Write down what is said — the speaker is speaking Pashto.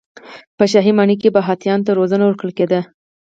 په شاهي ماڼۍ کې به هاتیانو ته روزنه ورکول کېده.